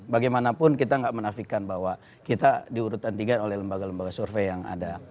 bagaimanapun kita tidak menafikan bahwa kita diurutan tiga oleh lembaga lembaga survei yang ada